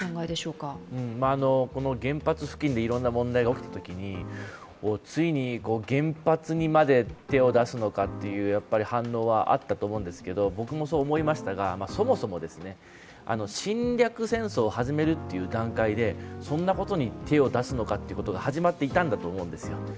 原発付近でいろんな問題が起きたときに、ついに原発にまで手を出すのかという反応はあったと思うんですが僕もそう思いましたが、そもそも侵略戦争を始めるという段階でそんなことに手を出すのかということが始まっていたんだと思うんですよ。